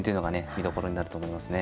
見どころになると思いますね。